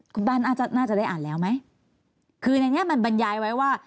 คุณบ้านน่าจะน่าจะได้อ่านแล้วไหมคือในเนี้ยมันบรรยายไว้ว่า